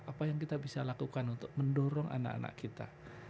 apa yang kita bisa lakukan untuk mendorong anak anak kita